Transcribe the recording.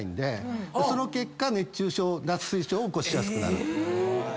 その結果熱中症脱水症を起こしやすくなる。